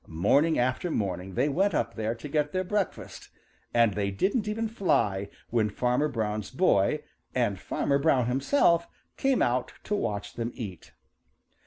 Morning after morning they went up there to get their breakfast, and they didn't even fly when Farmer Brown's boy and Farmer Brown himself came out to watch them eat.